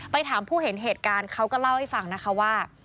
ถามผู้เห็นเหตุการณ์เขาก็เล่าให้ฟังนะคะว่า